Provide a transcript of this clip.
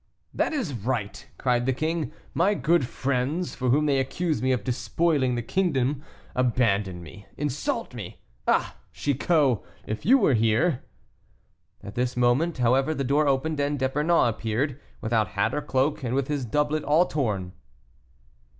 "That is right," cried the king, "my good friends, for whom they accuse me of despoiling the kingdom, abandon me, insult me! Ah, Chicot! if you were here." At this moment, however, the door opened, and D'Epernon appeared, without hat or cloak, and with his doublet all torn.